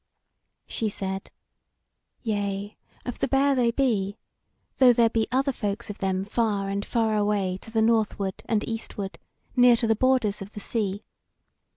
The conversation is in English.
She said: "Yea, of the Bear they be, though there be other folks of them far and far away to the northward and eastward, near to the borders of the sea.